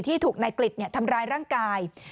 ถูกนายกริจทำร้ายร่างกาย